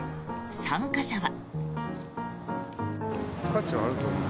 参加者は。